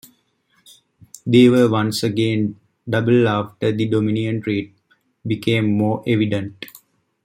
They were once again doubled after the Dominion threat became more evident.